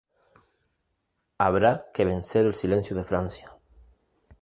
Habrá que vencer el silencio de Francia"".